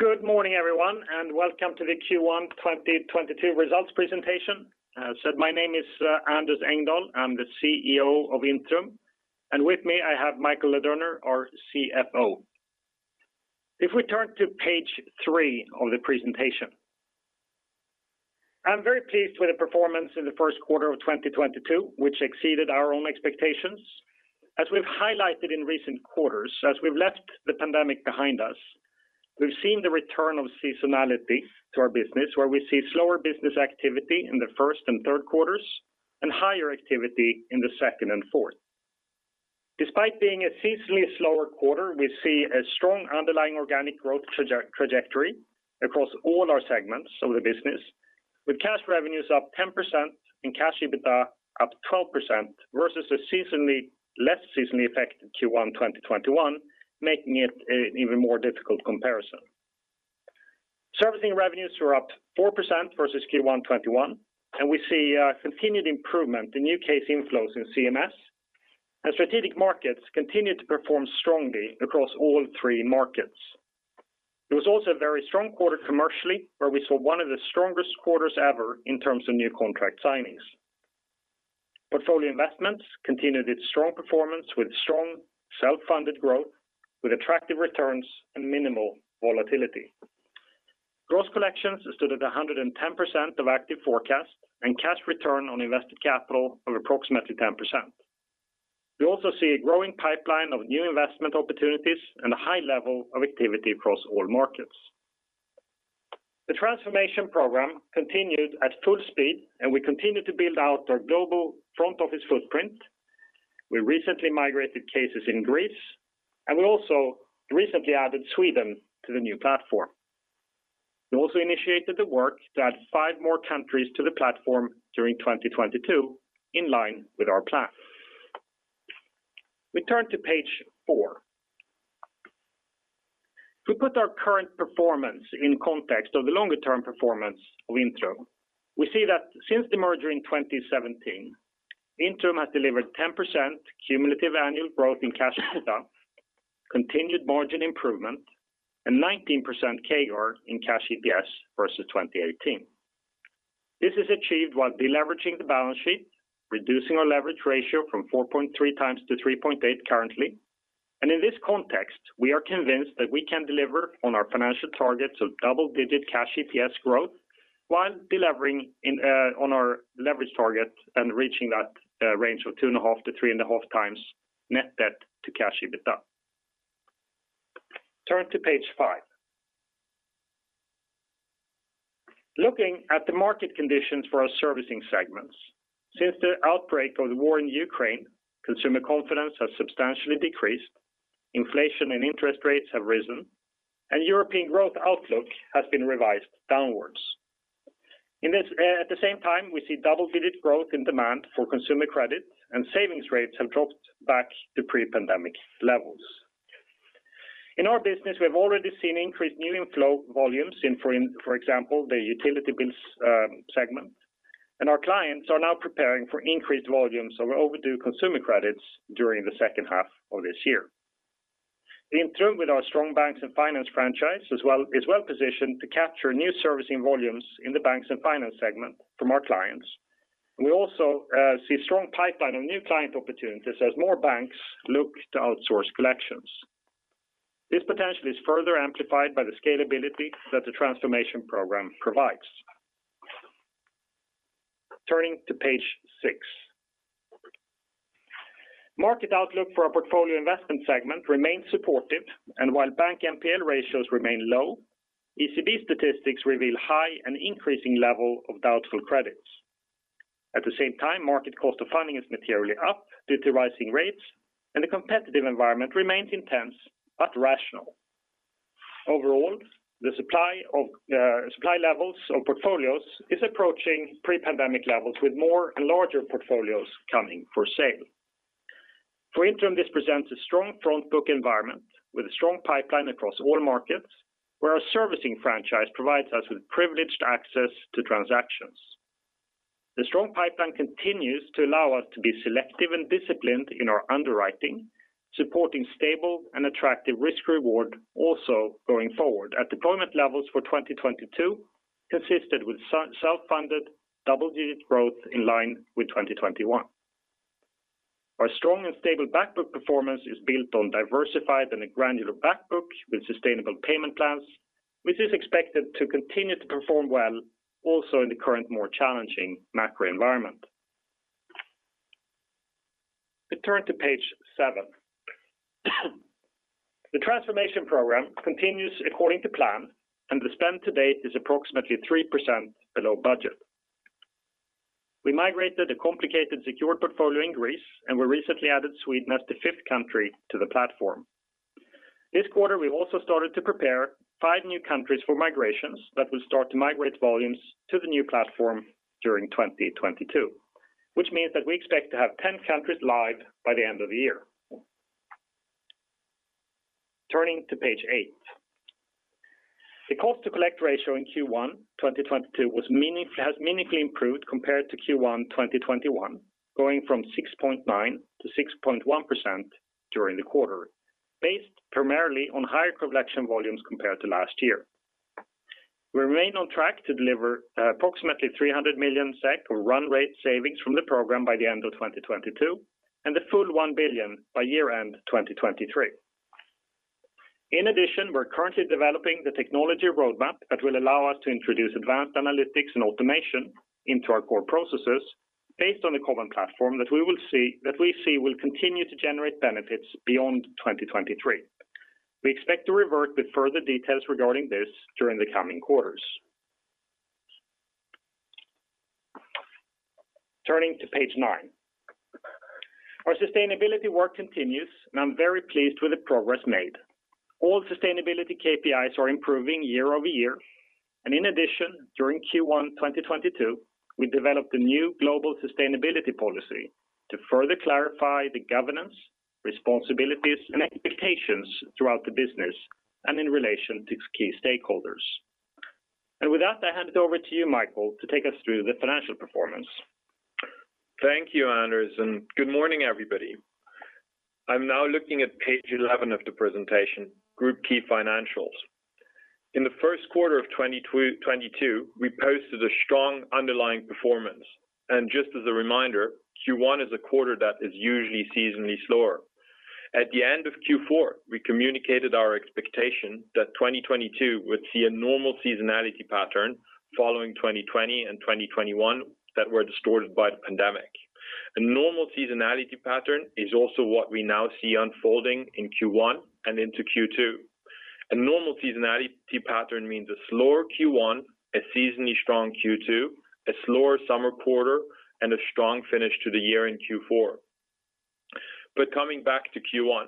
Good morning, everyone, and Welcome to the Q1 2022 results presentation. My name is Anders Engdahl. I'm the CEO of Intrum, and with me I have Michael Ladurner, our CFO. If we turn to page three of the presentation. I'm very pleased with the performance in the first quarter of 2022, which exceeded our own expectations. As we've highlighted in recent quarters, as we've left the pandemic behind us, we've seen the return of seasonality to our business, where we see slower business activity in the first and third quarters and higher activity in the second and fourth. Despite being a seasonally slower quarter, we see a strong underlying organic growth trajectory across all our segments of the business with cash revenues up 10% and cash EBITDA up 12% versus a less seasonally effective Q1 2021, making it an even more difficult comparison. Servicing revenues were up 4% versus Q1 2021, and we see continued improvement in new case inflows in CMS. Strategic markets continued to perform strongly across all three markets. It was also a very strong quarter commercially, where we saw one of the strongest quarters ever in terms of new contract signings. Portfolio investments continued its strong performance with strong self-funded growth with attractive returns and minimal volatility. Gross collections stood at 110% of active forecast and cash return on invested capital of approximately 10%. We see a growing pipeline of new investment opportunities and a high level of activity across all markets. The transformation program continued at full speed, and we continue to build out our global front office footprint. We recently migrated cases in Greece, and we also recently added Sweden to the new platform. We also initiated the work to add 5 more countries to the platform during 2022 in line with our plan. We turn to page four. If we put our current performance in context of the longer-term performance of Intrum, we see that since the merger in 2017, Intrum has delivered 10% cumulative annual growth in cash EBITDA, continued margin improvement and 19% CAGR in cash EPS versus 2018. This is achieved while deleveraging the balance sheet, reducing our leverage ratio from 4.3x-3.8x currently. In this context, we are convinced that we can deliver on our financial targets of double-digit cash EPS growth while delevering in on our leverage target and reaching that range of 2.5x-3.5x net debt to cash EBITDA. Turn to page five. Looking at the market conditions for our servicing segments. Since the outbreak of the war in Ukraine, consumer confidence has substantially decreased, inflation and interest rates have risen, and European growth outlook has been revised downwards. At the same time, we see double-digit growth in demand for consumer credit and savings rates have dropped back to pre-pandemic levels. In our business, we have already seen increased new inflow volumes in, for example, the utility bills segment. Our clients are now preparing for increased volumes of overdue consumer credits during the second half of this year. In Intrum with our strong banks and finance franchise as well, is well positioned to capture new servicing volumes in the banks and finance segment from our clients. We also see strong pipeline of new client opportunities as more banks look to outsource collections. This potential is further amplified by the scalability that the transformation program provides. Turning to page six. Market outlook for our portfolio investment segment remains supportive, and while bank NPL ratios remain low, ECB statistics reveal high and increasing level of doubtful credits. At the same time, market cost of funding is materially up due to rising rates, and the competitive environment remains intense but rational. Overall, the supply levels of portfolios is approaching pre-pandemic levels with more and larger portfolios coming for sale. For Intrum, this presents a strong front book environment with a strong pipeline across all markets where our servicing franchise provides us with privileged access to transactions. The strong pipeline continues to allow us to be selective and disciplined in our underwriting, supporting stable and attractive risk-reward also going forward at deployment levels for 2022 consistent with self-funded double-digit growth in line with 2021. Our strong and stable back book performance is built on diversified and granular back book with sustainable payment plans, which is expected to continue to perform well also in the current more challenging macro environment. We turn to page seven. The transformation program continues according to plan, and the spend to date is approximately 3% below budget. We migrated a complicated secured portfolio in Greece, and we recently added Sweden as the 5th country to the platform. This quarter, we also started to prepare five new countries for migrations that will start to migrate volumes to the new platform during 2022. Which means that we expect to have 10 countries live by the end of the year. Turning to page eight. The cost to collect ratio in Q1 2022 has meaningfully improved compared to Q1 2021, going from 6.9% to 6.1% during the quarter, based primarily on higher collection volumes compared to last year. We remain on track to deliver approximately 300 million SEK or run rate savings from the program by the end of 2022, and the full 1 billion by year-end 2023. In addition, we're currently developing the technology roadmap that will allow us to introduce advanced analytics and automation into our core processes based on a common platform that we see will continue to generate benefits beyond 2023. We expect to revert with further details regarding this during the coming quarters. Turning to page nine. Our sustainability work continues, and I'm very pleased with the progress made. All sustainability KPIs are improving year-over-year, and in addition, during Q1 2022, we developed a new global sustainability policy to further clarify the governance, responsibilities, and expectations throughout the business and in relation to key stakeholders. With that, I hand it over to you, Michael, to take us through the financial performance. Thank you, Anders, and good morning, everybody. I'm now looking at page 11 of the presentation, Group Key Financials. In the first quarter of 2022, we posted a strong underlying performance. Just as a reminder, Q1 is a quarter that is usually seasonally slower. At the end of Q4, we communicated our expectation that 2022 would see a normal seasonality pattern following 2020 and 2021 that were distorted by the pandemic. A normal seasonality pattern is also what we now see unfolding in Q1 and into Q2. A normal seasonality pattern means a slower Q1, a seasonally strong Q2, a slower summer quarter, and a strong finish to the year in Q4. Coming back to Q1,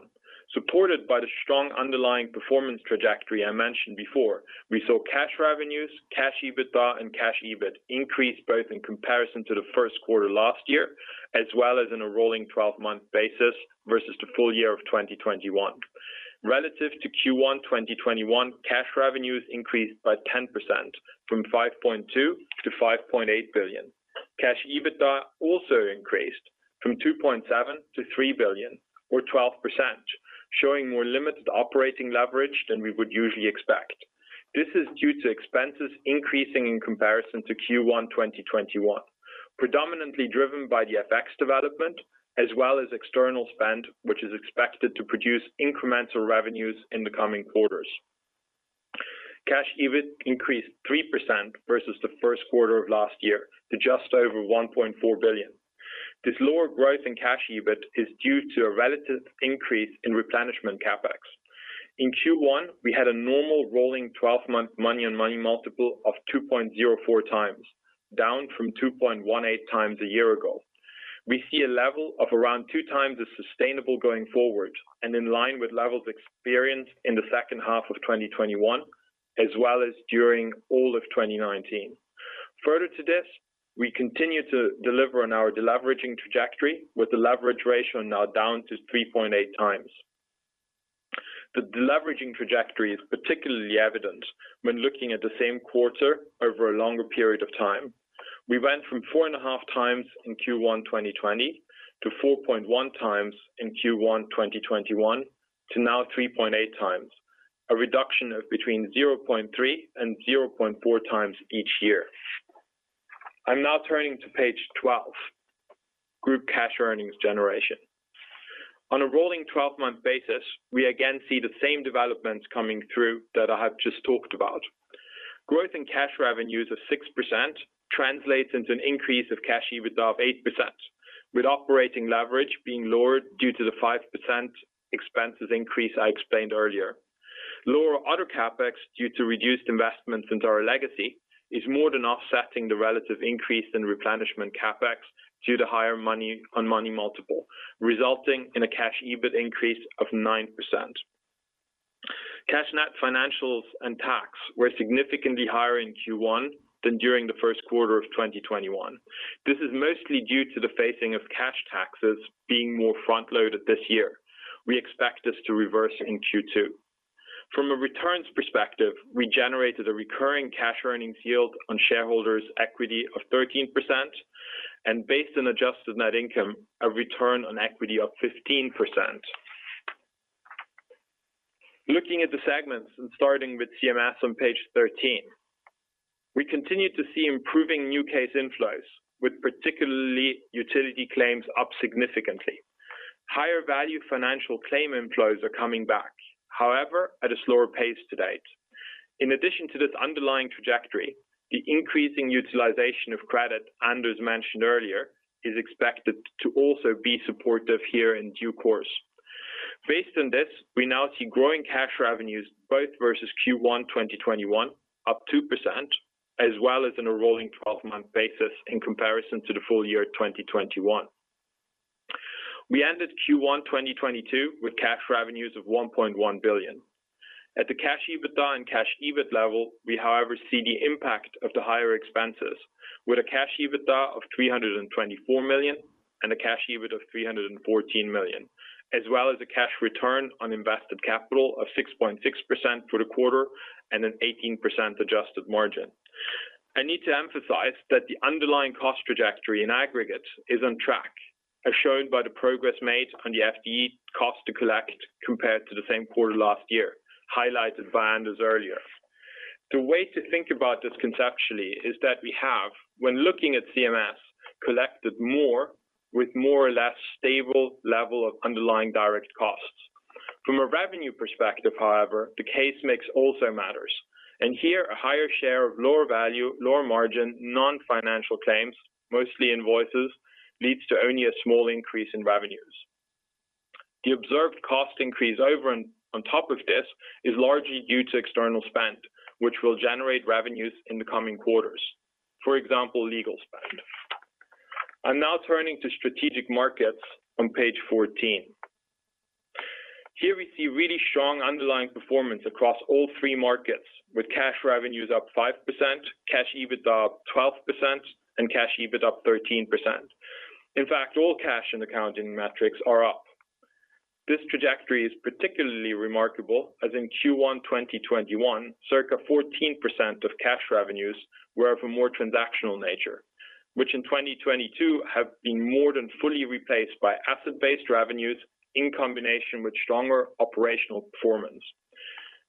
supported by the strong underlying performance trajectory I mentioned before, we saw cash revenues, cash EBITDA, and cash EBIT increase both in comparison to the first quarter last year, as well as in a rolling 12-month basis versus the full year of 2021. Relative to Q1 2021, cash revenues increased by 10% from 5.2 billion-5.8 billion. Cash EBITDA also increased from 2.7 billion-3 billion or 12%, showing more limited operating leverage than we would usually expect. This is due to expenses increasing in comparison to Q1 2021, predominantly driven by the FX development as well as external spend, which is expected to produce incremental revenues in the coming quarters. Cash EBIT increased 3% versus the first quarter of last year to just over 1.4 billion. This lower growth in cash EBIT is due to a relative increase in replenishment CapEx. In Q1, we had a normal rolling 12-month money on money multiple of 2.04x, down from 2.18x a year ago. We see a level of around 2x as sustainable going forward and in line with levels experienced in the second half of 2021, as well as during all of 2019. Further to this, we continue to deliver on our deleveraging trajectory with the leverage ratio now down to 3.8x. The deleveraging trajectory is particularly evident when looking at the same quarter over a longer period of time. We went from 4.5x in Q1 2020 to 4.1x in Q1 2021 to now 3.8x, a reduction of between 0.3x and 0.4x each year. I'm now turning to page 12, Group Cash Earnings Generation. On a rolling 12-month basis, we again see the same developments coming through that I have just talked about. Growth in cash revenues of 6% translates into an increase of cash EBITDA of 8%, with operating leverage being lowered due to the 5% expenses increase I explained earlier. Lower other CapEx due to reduced investments into our legacy is more than offsetting the relative increase in replenishment CapEx due to higher money on money multiple, resulting in a cash EBIT increase of 9%. Cash net financials and tax were significantly higher in Q1 than during the first quarter of 2021. This is mostly due to the phasing of cash taxes being more front-loaded this year. We expect this to reverse in Q2. From a return's perspective, we generated a recurring cash earnings yield on shareholders' equity of 13% and based on adjusted net income, a return on equity of 15%. Looking at the segments and starting with CMS on page 13, we continue to see improving new case inflows, with particularly utility claims up significantly. Higher value financial claim inflows are coming back, however, at a slower pace to date. In addition to this underlying trajectory, the increasing utilization of credit, Anders mentioned earlier, is expected to also be supportive here in due course. Based on this, we now see growing cash revenues both versus Q1 2021, up 2%, as well as in a rolling 12-month basis in comparison to the full year 2021. We ended Q1 2022 with cash revenues of 1.1 billion. At the cash EBITDA and cash EBIT level, we however see the impact of the higher expenses. With a cash EBITDA of 324 million and a cash EBIT of 314 million. As well as a cash return on invested capital of 6.6% for the quarter and an 18% adjusted margin. I need to emphasize that the underlying cost trajectory in aggregate is on track, as shown by the progress made on the FTE cost to collect compared to the same quarter last year, highlighted by Anders earlier. The way to think about this conceptually is that we have, when looking at CMS, collected more with more or less stable level of underlying direct costs. From a revenue perspective, however, the case mix also matters. Here, a higher share of lower value, lower margin, non-financial claims, mostly invoices, leads to only a small increase in revenues. The observed cost increase over and on top of this is largely due to external spend, which will generate revenues in the coming quarters. For example, legal spend. I'm now turning to strategic markets on page 14. Here we see really strong underlying performance across all three markets, with cash revenues up 5%, cash EBITDA up 12%, and cash EBIT up 13%. In fact, all cash and accounting metrics are up. This trajectory is particularly remarkable, as in Q1 2021, circa 14% of cash revenues were of a more transactional nature, which in 2022 have been more than fully replaced by asset-based revenues in combination with stronger operational performance.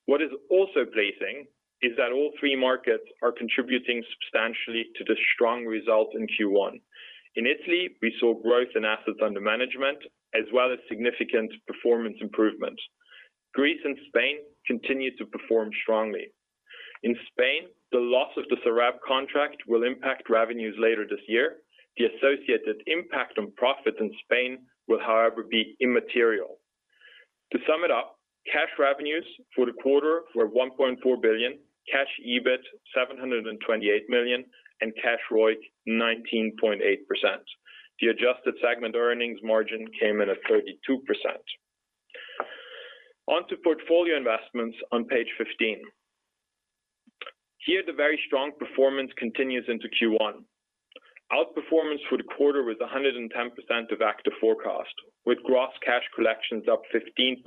What is also pleasing is that all three markets are contributing substantially to the strong result in Q1. In Italy, we saw growth in assets under management as well as significant performance improvement. Greece and Spain continue to perform strongly. In Spain, the loss of the Sareb contract will impact revenues later this year. The associated impact on profits in Spain will, however, be immaterial. To sum it up, cash revenues for the quarter were 1.4 billion, cash EBIT 728 million, and cash ROIC 19.8%. The adjusted segment earnings margin came in at 32%. On to portfolio investments on page 15. Here the very strong performance continues into Q1. Outperformance for the quarter was 110% of active forecast, with gross cash collections up 15%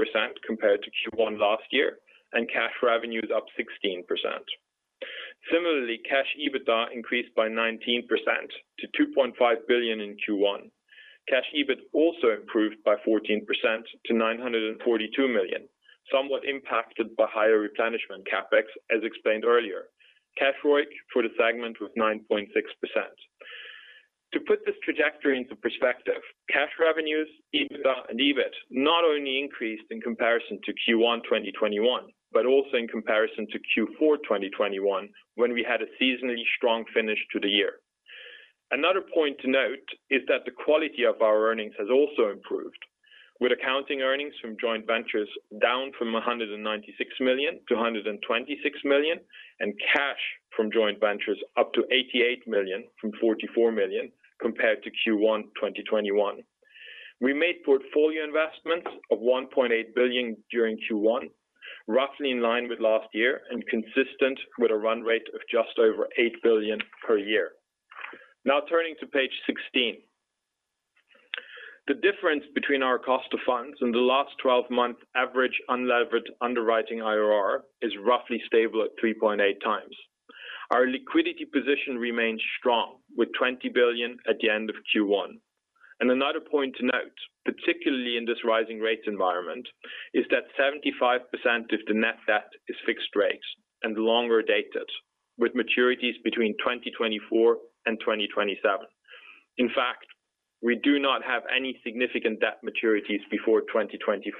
compared to Q1 last year and cash revenues up 16%. Similarly, cash EBITDA increased by 19% to 2.5 billion in Q1. Cash EBIT also improved by 14% to 942 million, somewhat impacted by higher replenishment CapEx, as explained earlier. Cash ROIC for the segment was 9.6%. To put this trajectory into perspective, cash revenues, EBITDA, and EBIT not only increased in comparison to Q1 2021, but also in comparison to Q4 2021, when we had a seasonally strong finish to the year. Another point to note is that the quality of our earnings has also improved with accounting earnings from joint ventures down from 196 million-126 million, and cash from joint ventures up to 88 million from 44 million compared to Q1 2021. We made portfolio investments of 1.8 billion during Q1, roughly in line with last year and consistent with a run rate of just over 8 billion per year. Now turning to page 16. The difference between our cost of funds and the last 12-month average unlevered underwriting IRR is roughly stable at 3.8x. Our liquidity position remains strong, with 20 billion at the end of Q1. Another point to note, particularly in this rising rate environment, is that 75% of the net debt is fixed rates and longer dated, with maturities between 2024 and 2027. In fact, we do not have any significant debt maturities before 2024.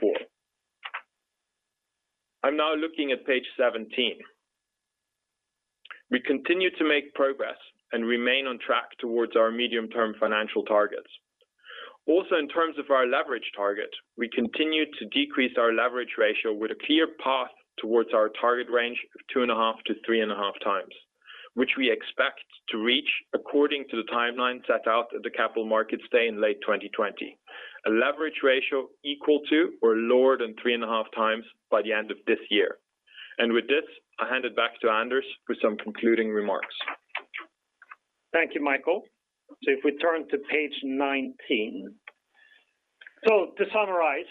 I'm now looking at page 17. We continue to make progress and remain on track towards our medium-term financial targets. Also, in terms of our leverage target, we continue to decrease our leverage ratio with a clear path towards our target range of 2.5x-3.5x, which we expect to reach according to the timeline set out at the Capital Markets Day in late 2020. A leverage ratio equal to or lower than 3.5x by the end of this year. With this, I hand it back to Anders for some concluding remarks. Thank you, Michael. If we turn to page 19. To summarize,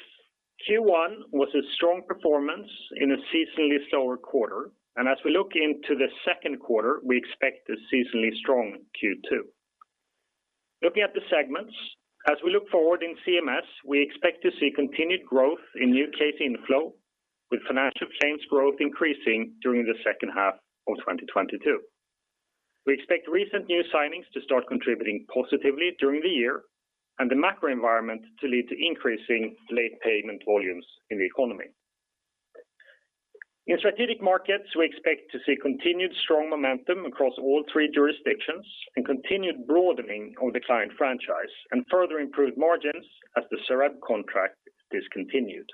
Q1 was a strong performance in a seasonally slower quarter. As we look into the second quarter, we expect a seasonally strong Q2. Looking at the segments, as we look forward in CMS, we expect to see continued growth in new case inflow, with financial claims growth increasing during the second half of 2022. We expect recent new signings to start contributing positively during the year and the macro environment to lead to increasing late payment volumes in the economy. In strategic markets, we expect to see continued strong momentum across all three jurisdictions and continued broadening of the client franchise and further improved margins as the Sareb contract is continued.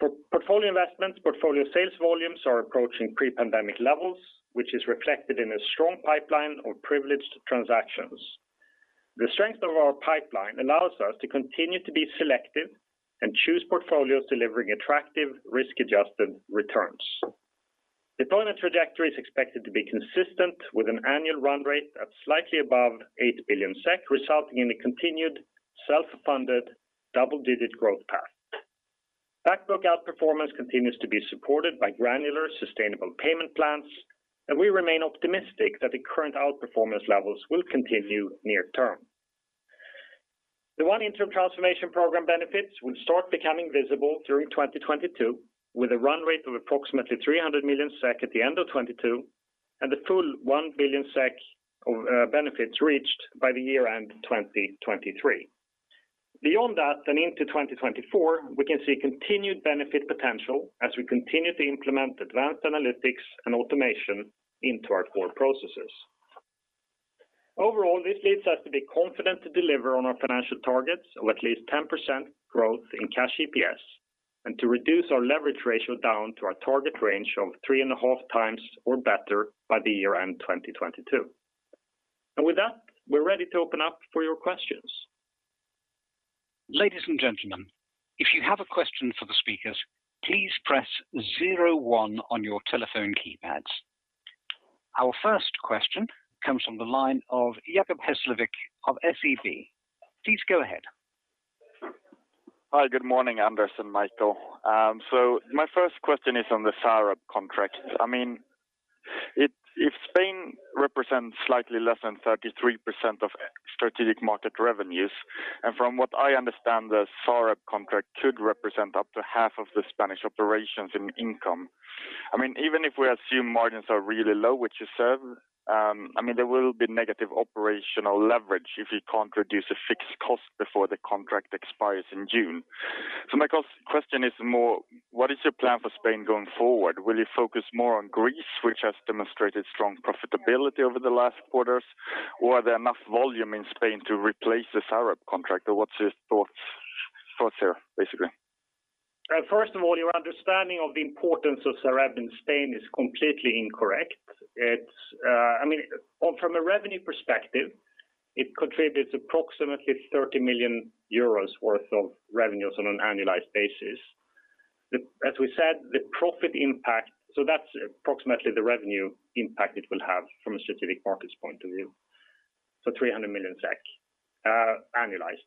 For portfolio investments, portfolio sales volumes are approaching pre-pandemic levels, which is reflected in a strong pipeline of privileged transactions. The strength of our pipeline allows us to continue to be selective and choose portfolios delivering attractive risk-adjusted returns. Deployment trajectory is expected to be consistent with an annual run rate at slightly above 8 billion SEK, resulting in a continued self-funded double-digit growth path. Backlog outperformance continues to be supported by granular sustainable payment plans, and we remain optimistic that the current outperformance levels will continue near term. The One Intrum transformation program benefits will start becoming visible during 2022, with a run rate of approximately 300 million SEK at the end of 2022, and the full 1 billion SEK of benefits reached by the year-end 2023. Beyond that and into 2024, we can see continued benefit potential as we continue to implement advanced analytics and automation into our core processes. Overall, this leads us to be confident to deliver on our financial targets of at least 10% growth in cash EPS and to reduce our leverage ratio down to our target range of 3.5x or better by the year-end 2022. With that, we're ready to open up for your questions. Ladies and gentlemen, if you have a question for the speakers, please press zero one on your telephone keypads. Our first question comes from the line of Jacob Hesslevik of SEB. Please go ahead. Hi, good morning, Anders and Michael. My first question is on the Sareb contract. I mean, if Spain represents slightly less than 33% of strategic market revenues, and from what I understand, the Sareb contract could represent up to half of the Spanish operations in income. I mean, even if we assume margins are really low, which is 7%, there will be negative operational leverage if you can't reduce a fixed cost before the contract expires in June. My question is more, what is your plan for Spain going forward? Will you focus more on Greece, which has demonstrated strong profitability over the last quarters? Or are there enough volume in Spain to replace the Sareb contract? Or what's your thoughts here, basically? First of all, your understanding of the importance of Sareb in Spain is completely incorrect. It's, I mean, or from a revenue perspective, it contributes approximately 30 million euros worth of revenues on an annualized basis. As we said, the profit impact. That's approximately the revenue impact it will have from a strategic markets point of view. 300 million SEK annualized.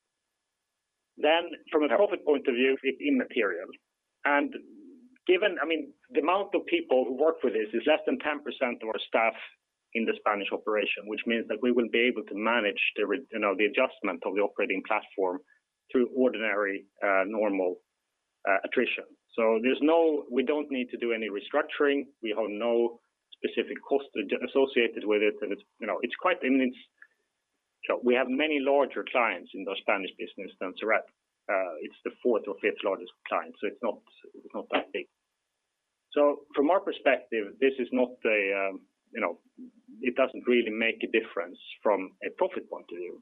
From a profit point of view, it's immaterial. Given, I mean, the amount of people who work with this is less than 10% of our staff in the Spanish operation, which means that we will be able to manage you know, the adjustment of the operating platform through ordinary, normal, attrition. We don't need to do any restructuring. We have no specific costs associated with it. It's, you know, it's quite immense. We have many larger clients in the Spanish business than Sareb. It's the fourth or fifth largest client, so it's not that big. From our perspective, this is not a. It doesn't really make a difference from a profit point of view.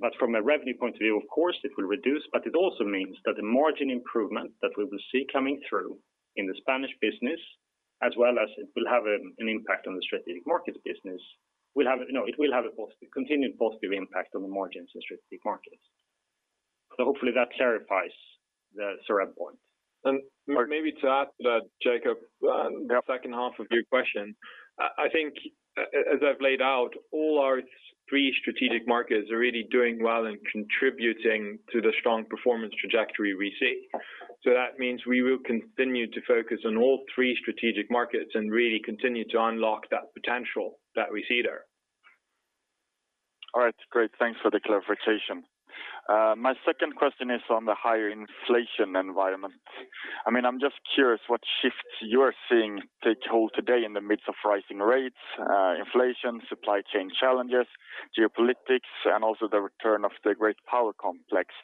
But from a revenue point of view, of course, it will reduce, but it also means that the margin improvement that we will see coming through in the Spanish business, as well as it will have an impact on the strategic markets business, will have a continued positive impact on the margins in strategic markets. Hopefully that clarifies the Sareb point. Maybe to add to that, Jacob, the second half of your question. I think as I've laid out, all our three strategic markets are really doing well and contributing to the strong performance trajectory we see. That means we will continue to focus on all three strategic markets and really continue to unlock that potential that we see there. All right, great. Thanks for the clarification. My second question is on the higher inflation environment. I mean, I'm just curious what shifts you are seeing take hold today in the midst of rising rates, inflation, supply chain challenges, geopolitics, and also the return of the great power complex.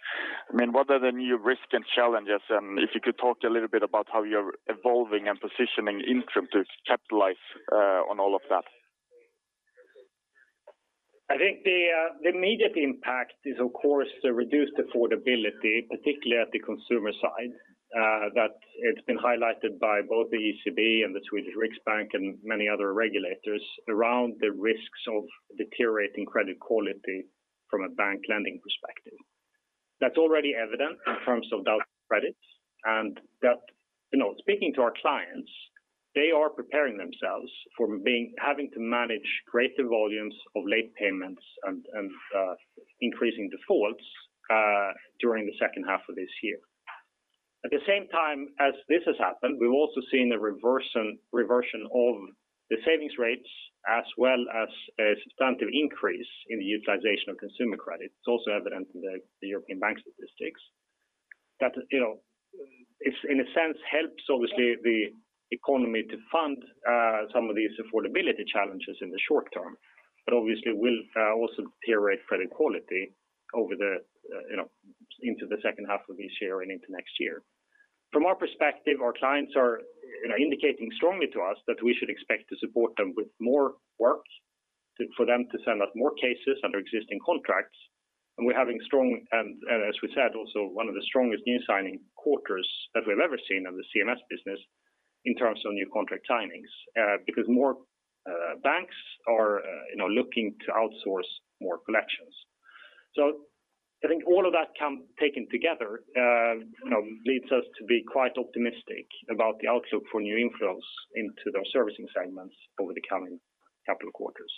I mean, what are the new risks and challenges? If you could talk a little bit about how you're evolving and positioning Intrum to capitalize on all of that. I think the immediate impact is, of course, the reduced affordability, particularly at the consumer side, that it's been highlighted by both the ECB and the Sveriges Riksbank and many other regulators around the risks of deteriorating credit quality from a bank lending perspective. That's already evident in terms of doubtful credits, and you know, speaking to our clients, they are preparing themselves for having to manage greater volumes of late payments and increasing defaults during the second half of this year. At the same time as this has happened, we've also seen a reversion of the savings rates as well as a substantive increase in the utilization of consumer credit. It's also evident in the European bank statistics. That, you know, in a sense, helps obviously the economy to fund some of these affordability challenges in the short term, but obviously will also deteriorate credit quality over the, you know, into the second half of this year and into next year. From our perspective, our clients are, you know, indicating strongly to us that we should expect to support them with more work, for them to send us more cases under existing contracts. As we said, also one of the strongest new signing quarters that we've ever seen on the CMS business in terms of new contract signings, because more banks are, you know, looking to outsource more collections. I think all of that taken together, you know, leads us to be quite optimistic about the outlook for new inflows into those servicing segments over the coming couple quarters.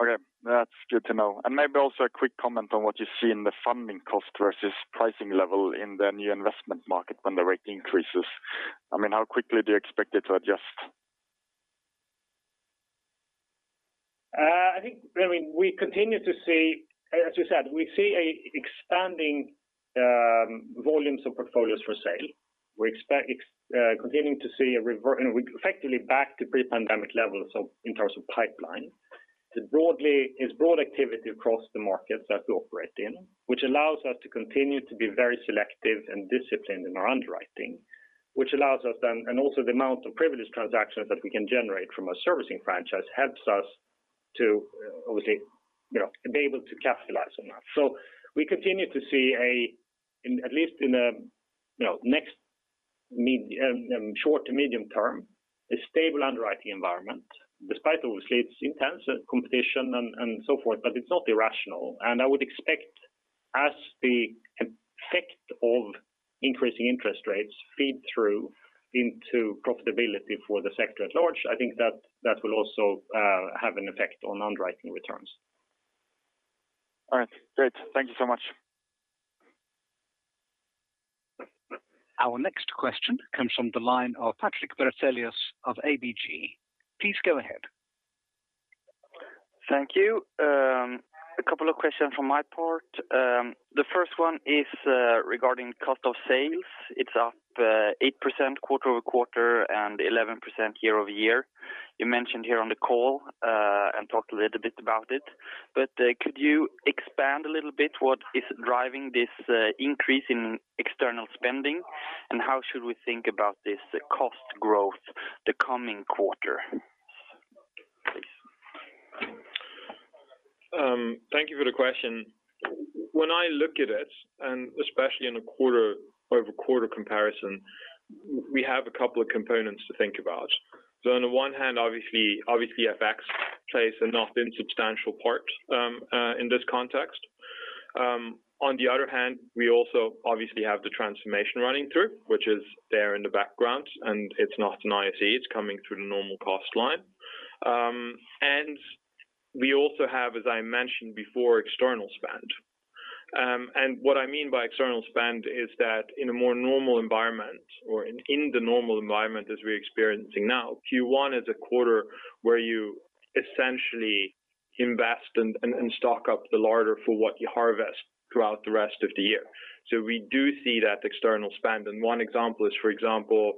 Okay. That's good to know. Maybe also a quick comment on what you see in the funding cost versus pricing level in the new investment market when the rate increases. I mean, how quickly do you expect it to adjust? I think, I mean, we continue to see. As you said, we see expanding volumes of portfolios for sale. We expect continuing to see a recovery, and we're effectively back to pre-pandemic levels in terms of pipeline. It's broad activity across the markets that we operate in, which allows us to continue to be very selective and disciplined in our underwriting, which allows us then. Also, the amount of proprietary transactions that we can generate from our servicing franchise helps us to, obviously, you know, be able to capitalize on that. We continue to see, in at least, you know, short to medium term, a stable underwriting environment, despite obviously it's intense competition and so forth, but it's not irrational. I would expect as the effect of increasing interest rates feed through into profitability for the sector at large. I think that will also have an effect on underwriting returns. All right. Great. Thank you so much. Our next question comes from the line of Patrik Brattelius of ABG. Please go ahead. Thank you. A couple of questions from my part. The first one is regarding cost of sales. It's up 8% quarter-over-quarter and 11% year-over-year. You mentioned here on the call and talked a little bit about it. Could you expand a little bit what is driving this increase in external spending, and how should we think about this cost growth the coming quarter, please? Thank you for the question. When I look at it, and especially in a quarter-over-quarter comparison, we have a couple of components to think about. On the one hand, obviously, FX plays a not insubstantial part in this context. On the other hand, we also obviously have the transformation running through, which is there in the background, and it's not an IAC, it's coming through the normal cost line. We also have, as I mentioned before, external spend. What I mean by external spend is that in a more normal environment or in the normal environment as we're experiencing now, Q1 is a quarter where you essentially invest and stock up the larder for what you harvest throughout the rest of the year. We do see that external spend. One example is, for example,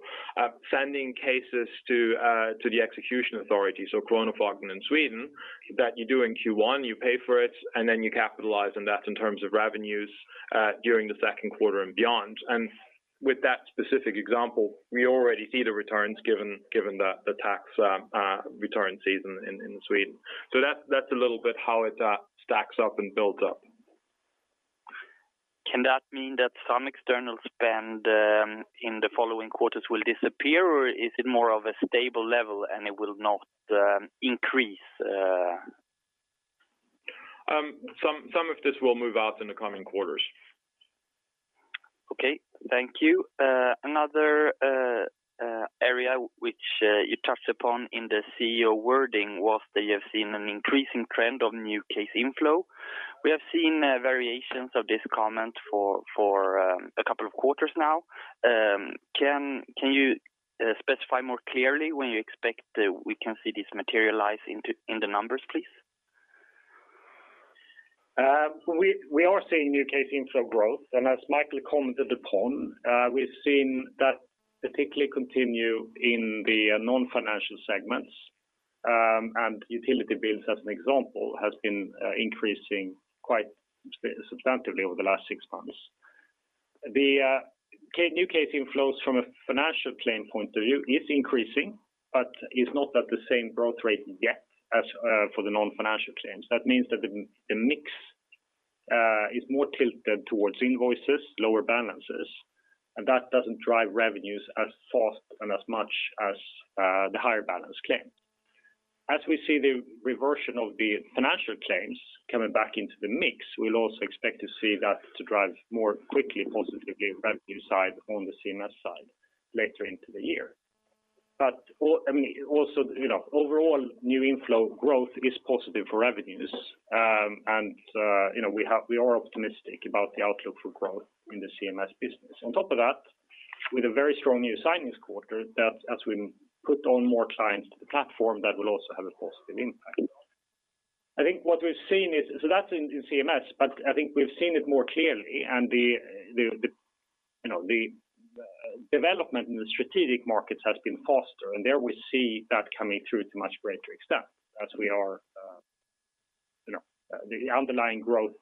sending cases to the execution authority, so Kronofogden in Sweden, that you do in Q1, you pay for it, and then you capitalize on that in terms of revenues during the second quarter and beyond. With that specific example, we already see the returns given the tax return season in Sweden. That's a little bit how it stacks up and builds up. Can that mean that some external spend in the following quarters will disappear, or is it more of a stable level and it will not increase? Some of this will move out in the coming quarters. Okay. Thank you. Another area which you touched upon in the CEO wording was that you have seen an increasing trend of new case inflow. We have seen variations of this comment for a couple of quarters now. Can you specify more clearly when you expect we can see this materialize in the numbers, please? We are seeing new case inflow growth. As Michael commented upon, we've seen that particularly continue in the non-financial segments. Utility bills, as an example, has been increasing quite substantially over the last six months. The new case inflows from a financial claim point of view is increasing but is not at the same growth rate yet as for the non-financial claims. That means that the mix is more tilted towards invoices, lower balances, and that doesn't drive revenues as fast and as much as the higher balance claim. As we see the reversion of the financial claims coming back into the mix, we'll also expect to see that to drive more quickly, positively revenue side on the CMS side later into the year. I mean, also, you know, overall, new inflow growth is positive for revenues. you know, we are optimistic about the outlook for growth in the CMS business. On top of that, with a very strong new signings quarter, that as we put on more clients to the platform, that will also have a positive impact. I think what we've seen is in CMS, but I think we've seen it more clearly and the development in the strategic markets has been faster. There we see that coming through too much greater extent as we are, you know the underlying growth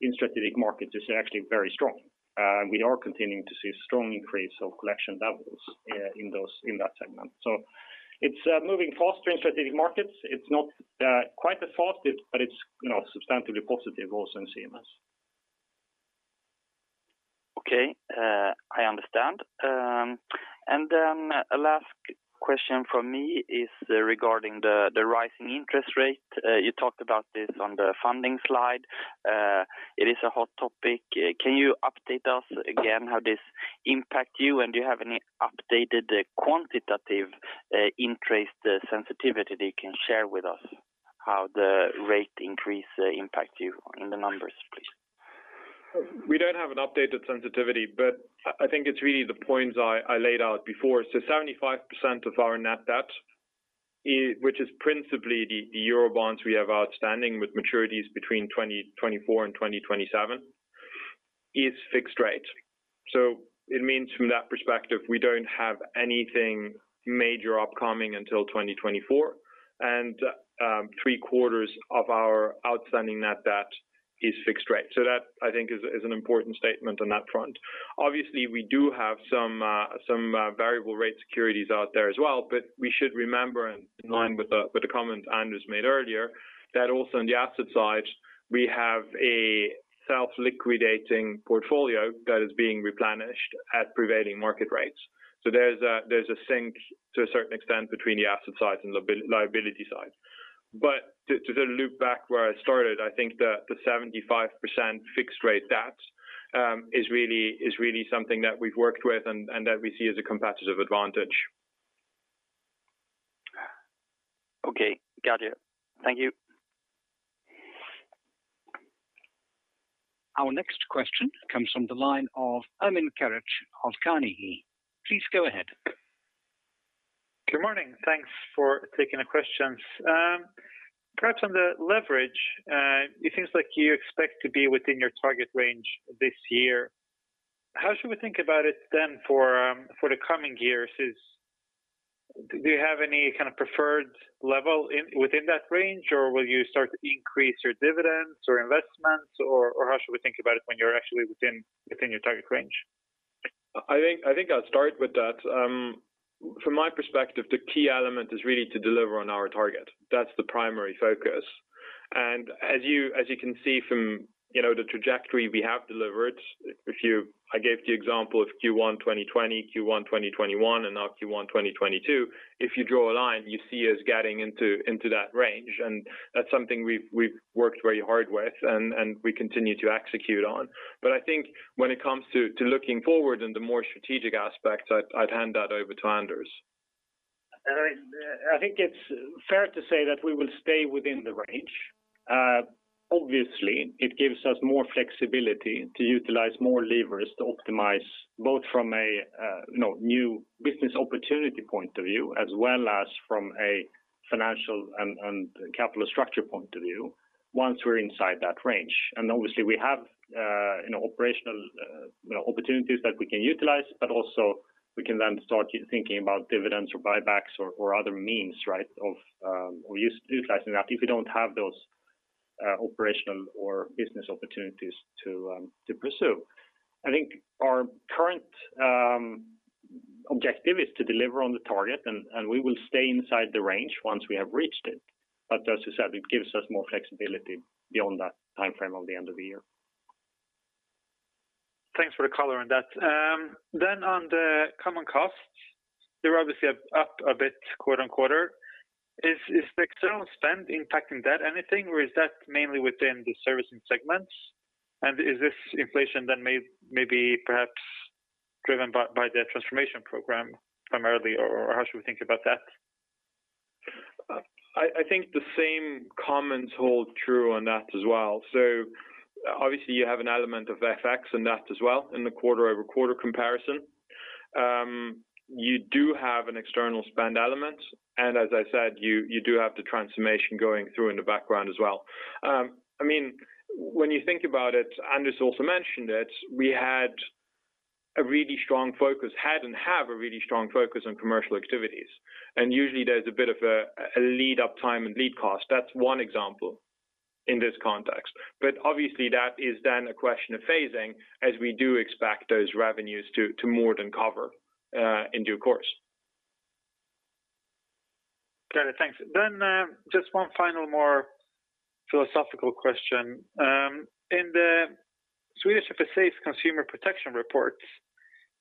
in strategic markets is actually very strong. we are continuing to see strong increase of collection volumes in that segment. it's moving faster in strategic markets. It's not quite as fast, but it's, you know, substantially positive also in CMS. Okay. I understand. A last question from me is regarding the rising interest rate. You talked about this on the funding slide. It is a hot topic. Can you update us again how this impact you? And do you have any updated quantitative interest sensitivity that you can share with us how the rate increase impact you in the numbers, please? We don't have an updated sensitivity, but I think it's really the points I laid out before. 75% of our net debt, which is principally the Euro bonds we have outstanding with maturities between 2024 and 2027, is fixed rate. It means from that perspective, we don't have anything major upcoming until 2024. Three-quarters of our outstanding net debt is fixed rate. That I think is an important statement on that front. Obviously, we do have some variable rate securities out there as well, but we should remember in line with the comment Anders made earlier, that also on the asset side, we have a self-liquidating portfolio that is being replenished at prevailing market rates. There's a sync to a certain extent between the asset side and liability side. To then loop back where I started, I think the 75% fixed rate debt is really something that we've worked with and that we see as a competitive advantage. Okay. Got it. Thank you. Our next question comes from the line of Ermin Keric of Carnegie. Please go ahead. Good morning. Thanks for taking the questions. Perhaps on the leverage, it seems like you expect to be within your target range this year. How should we think about it then for the coming years? Do you have any kind of preferred level within that range, or will you start to increase your dividends or investments or how should we think about it when you're actually within your target range? I think I'll start with that. From my perspective, the key element is really to deliver on our target. That's the primary focus. As you can see from, you know, the trajectory we have delivered, I gave the example of Q1 2020, Q1 2021, and now Q1 2022. If you draw a line, you see us getting into that range, and that's something we've worked very hard with, and we continue to execute on. I think when it comes to looking forward in the more strategic aspects, I'd hand that over to Anders. I think it's fair to say that we will stay within the range. Obviously, it gives us more flexibility to utilize more levers to optimize both from a you know, new business opportunity point of view, as well as from a financial and capital structure point of view once we're inside that range. Obviously, we have you know, operational you know, opportunities that we can utilize, but also we can then start thinking about dividends or buybacks or other means, right, of or utilizing that if we don't have those operational or business opportunities to pursue. I think our current objective is to deliver on the target and we will stay inside the range once we have reached it. As you said, it gives us more flexibility beyond that timeframe of the end of the year. Thanks for the color on that. On the common costs, they're obviously up a bit quarter-over-quarter. Is the external spend impacting that anything, or is that mainly within the servicing segments? Is this inflation then maybe perhaps driven by the transformation program primarily, or how should we think about that? I think the same comments hold true on that as well. Obviously you have an element of FX in that as well in the quarter-over-quarter comparison. You do have an external spend element, and as I said, you do have the transformation going through in the background as well. I mean, when you think about it, Anders also mentioned it, we had and have a really strong focus on commercial activities. Usually there's a bit of a lead-up time and lead cost. That's one example in this context. Obviously that is then a question of phasing as we do expect those revenues to more than cover in due course. Got it. Thanks. Just one final more philosophical question. In the Swedish Financial Supervisory Authority reports,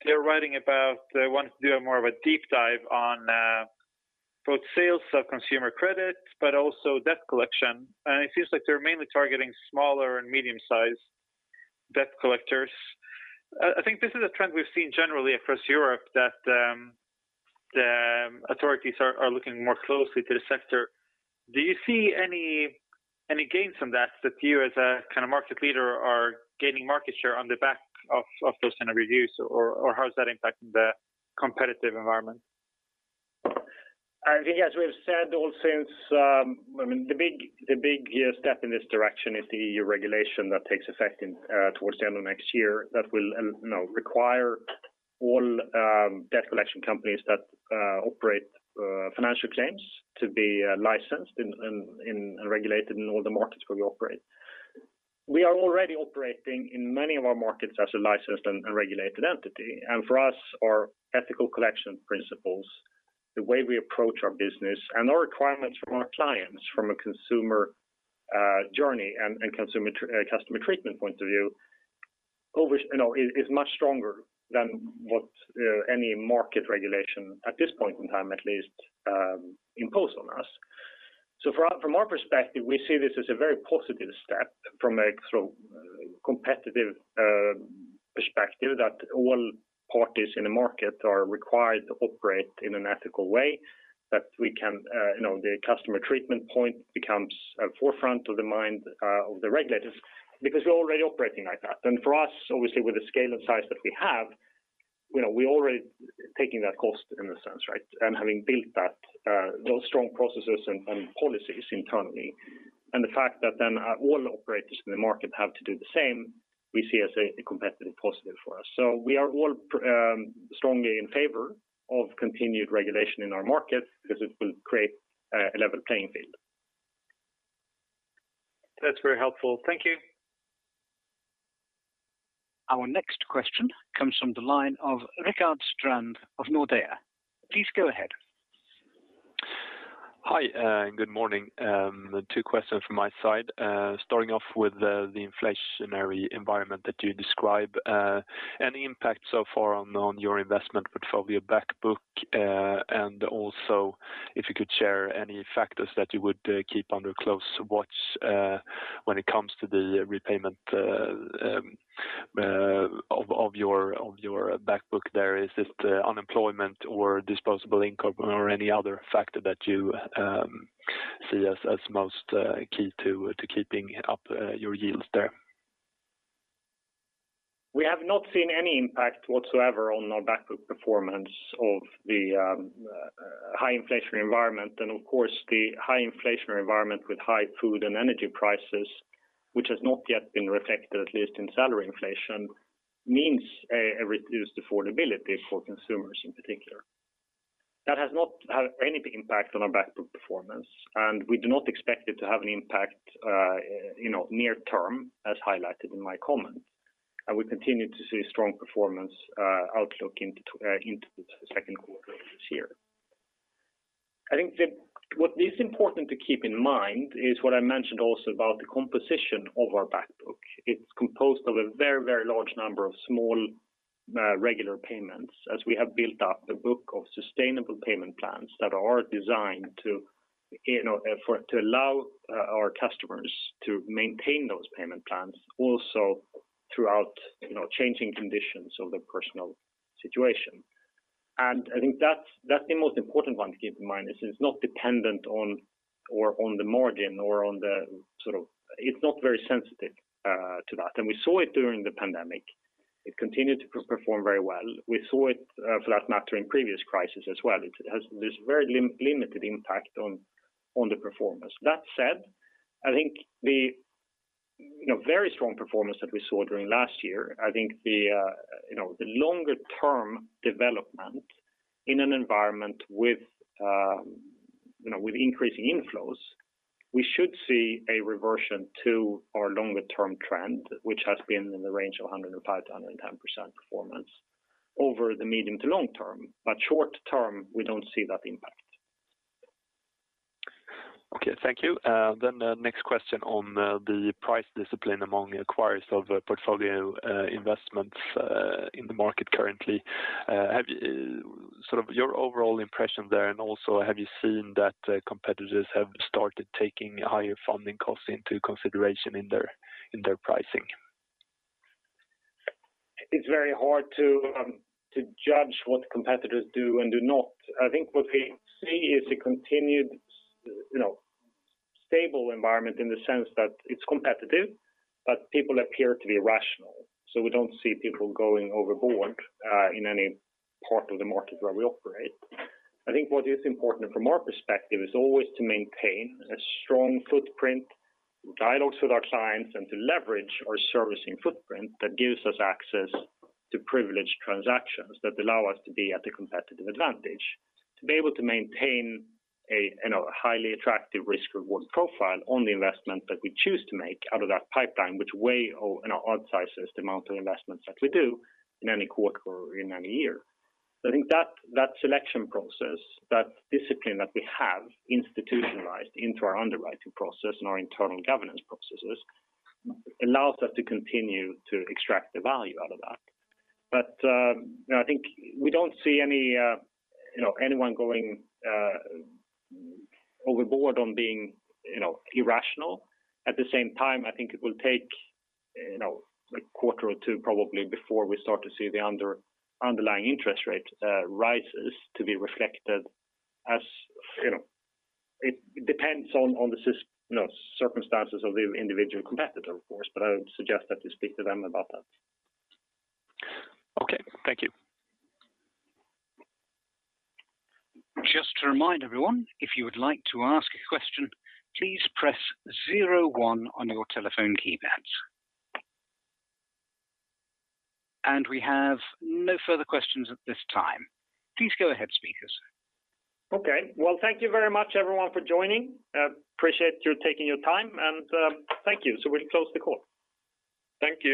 they're writing about they want to do more of a deep dive on both sales of consumer credit but also debt collection. It seems like they're mainly targeting smaller and medium-sized debt collectors. I think this is a trend we've seen generally across Europe that the authorities are looking more closely to the sector. Do you see any gains from that that you as a kind of market leader are gaining market share on the back of those kinds of reviews? Or how is that impacting the competitive environment? I think as we have said all since, I mean, the big step in this direction is the regulation that takes effect in towards the end of next year that will you know, require all, debt collection companies that operate financial claims to be licensed and regulated in all the markets where we operate. We are already operating in many of our markets as a licensed and regulated entity. For us, our ethical collection principles, the way we approach our business and our requirements from our clients from a consumer journey and customer treatment point of view, always you know, is much stronger than what any market regulation at this point in time at least impose on us. From our perspective, we see this as a very positive step from a sort of competitive perspective that all parties in the market are required to operate in an ethical way that we can, you know, the customer treatment point becomes a front of mind of the regulators because we're already operating like that. For us, obviously, with the scale and size that we have, you know, we're already taking that cost in a sense, right? Having built that, those strong processes and policies internally. The fact that then all operators in the market have to do the same, we see as a competitive positive for us. We are all strongly in favor of continued regulation in our markets because it will create a level playing field. That's very helpful. Thank you. Our next question comes from the line of Rickard Strand of Nordea. Please go ahead. Hi, good morning. Two questions from my side. Starting off with the inflationary environment that you describe. Any impact so far on your investment portfolio back book. And also, if you could share any factors that you would keep under close watch when it comes to the repayment of your back book there. Is this unemployment or disposable income or any other factor that you see as most key to keeping up your yields there? We have not seen any impact whatsoever on our back book performance of the high inflationary environment. Of course, the high inflationary environment with high food and energy prices, which has not yet been reflected, at least in salary inflation, means a reduced affordability for consumers in particular. That has not had any impact on our back book performance, and we do not expect it to have an impact, you know, near term, as highlighted in my comment. We continue to see strong performance outlook into the second quarter of this year. What is important to keep in mind is what I mentioned also about the composition of our back book. It's composed of a very, very large number of small, regular payments as we have built up the book of sustainable payment plans that are designed to, you know, to allow our customers to maintain those payment plans also throughout, you know, changing conditions of their personal situation. I think that's the most important one to keep in mind is it's not dependent on, or on the margin or on the sort of. It's not very sensitive to that. We saw it during the pandemic. It continued to perform very well. We saw it for that matter in previous crisis as well. It has this very limited impact on the performance. That said, I think, you know, very strong performance that we saw during last year, I think, you know, the longer term development in an environment with, you know, with increasing inflows, we should see a reversion to our longer term trend, which has been in the range of 105%-110% performance over the medium to long term. But short term, we don't see that impact. Okay. Thank you. The next question on the price discipline among acquirers of portfolio investments in the market currently. Have you sort of your overall impression there, and also have you seen that competitors have started taking higher funding costs into consideration in their pricing? It's very hard to judge what competitors do and do not. I think what we see is a continued, you know, stable environment in the sense that it's competitive, but people appear to be rational. We don't see people going overboard in any part of the market where we operate. I think what is important from our perspective is always to maintain a strong footprint, dialogues with our clients, and to leverage our servicing footprint that gives us access to privileged transactions that allow us to be at a competitive advantage. To be able to maintain a, you know, a highly attractive risk reward profile on the investment that we choose to make out of that pipeline, which we, you know, outsizes the amount of investments that we do in any quarter or in any year. I think that selection process, that discipline that we have institutionalized into our underwriting process and our internal governance processes, allows us to continue to extract the value out of that. I think we don't see any, you know, anyone going overboard on being, you know, irrational. At the same time, I think it will take, you know, a quarter or two probably before we start to see the underlying interest rate rises to be reflected as, you know. It depends on the circumstances of the individual competitor, of course, but I would suggest that you speak to them about that. Okay. Thank you. Just to remind everyone, if you would like to ask a question, please press zero one on your telephone keypads. We have no further questions at this time. Please go ahead, speakers. Okay. Well, thank you very much everyone for joining. Appreciate you taking your time and, thank you. We'll close the call. Thank you.